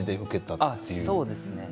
あっそうですね。